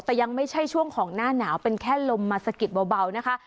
แต่ยังไม่ใช่ช่วงของหน้าหนาวเป็นแค่ลมมาสะกิดเบานะคะ